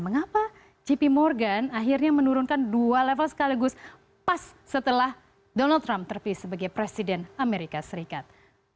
mengapa gp morgan akhirnya menurunkan dua level sekaligus pas setelah donald trump terpilih sebagai presiden amerika serikat